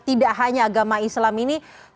tidak hanya agama islam ini